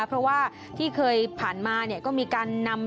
เพราะว่าที่เคยผ่านมาเนี่ยก็มีการนำ